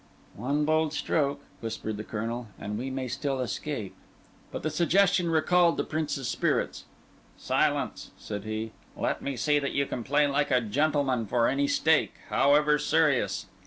"One bold stroke," whispered the Colonel, "and we may still escape." But the suggestion recalled the Prince's spirits. "Silence!" said be. "Let me see that you can play like a gentleman for any stake, however serious."